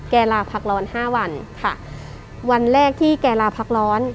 ลาพักร้อนห้าวันค่ะวันแรกที่แกลาพักร้อน